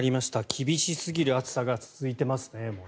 厳しすぎる暑さが続いてますね。